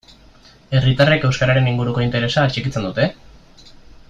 Herritarrek euskararen inguruko interesa atxikitzen dute?